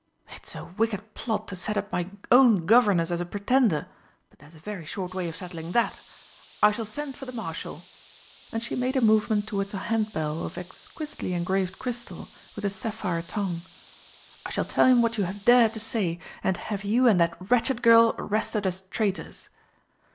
"It's a wicked plot to set up my own governess as a pretender, but there's a very short way of settling that! I shall send for the Marshal" and she made a movement towards a handbell of exquisitely engraved crystal with a sapphire tongue. "I shall tell him what you have dared to say, and have you and that wretched girl arrested as traitors!"